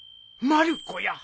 まる子ー！